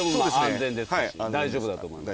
大丈夫だと思います。